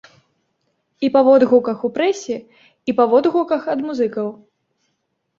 І па водгуках у прэсе, і па водгуках ад музыкаў.